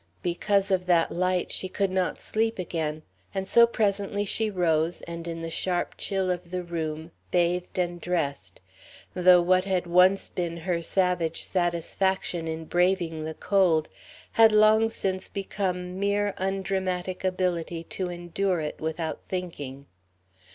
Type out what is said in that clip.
Because of that light, she could not sleep again, and so presently she rose, and in the sharp chill of the room, bathed and dressed, though what had once been her savage satisfaction in braving the cold had long since become mere undramatic ability to endure it without thinking.